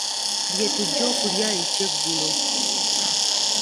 Lye tujja okulya ekyeggulo.